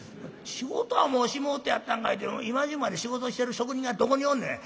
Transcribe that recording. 『仕事はもうしもうてやったんかい』って今時分まで仕事してる職人がどこにおんねん。